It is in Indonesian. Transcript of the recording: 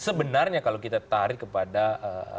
sebenarnya kalau kita tarik kepada design besarnya